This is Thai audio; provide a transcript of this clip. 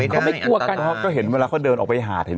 เข้าให้เดินออกไปหาด